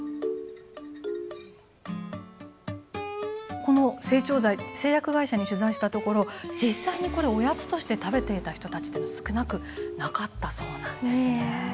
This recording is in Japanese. この整腸剤製薬会社に取材したところ実際にこれおやつとして食べていた人たちっていうのは少なくなかったそうなんですね。